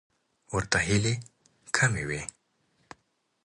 ورته هیلې کمې وې.